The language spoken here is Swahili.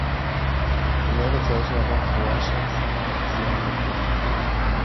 Inaweza kusababisha mapafu kuwasha sana na kuzuia mimea kurefuka